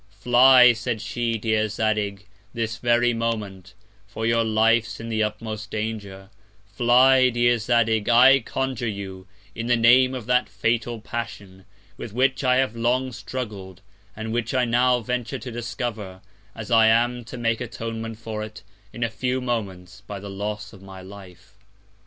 Fly, said she, Dear Zadig, this very Moment; for your Life's in the utmost Danger: Fly, Dear Zadig, _I conjure you, in the Name of that fatal Passion, with which I have long struggled, and which I now venture to discover, as I am to make Atonement for it, in a few Moments, by the Loss of my Life.